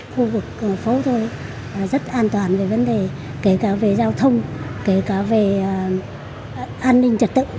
khu vực phố thôi rất an toàn về vấn đề kể cả về giao thông kể cả về an ninh trật tự